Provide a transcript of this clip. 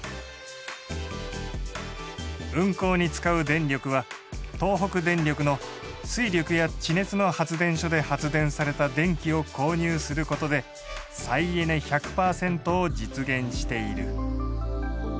運行に使う電力は東北電力の水力や地熱の発電所で発電された電気を購入することで再エネ１００％を実現している。